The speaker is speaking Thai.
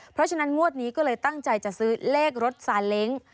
เพราะฉะนั้นงวดนี้ก็เลยตั้งใจจะซื้อเลขรถซาเล้ง